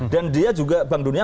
dan dia juga bank dunia